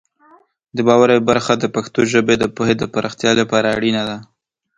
د واورئ برخه د پښتو ژبې د پوهې د پراختیا لپاره اړینه ده.